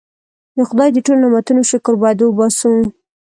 د خدای د ټولو نعمتونو شکر باید وباسو.